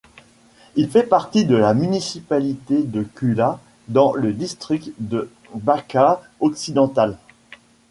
Il fait partie de la municipalité de Kula dans le district de Bačka occidentale.